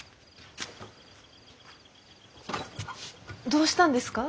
どうしたんですか？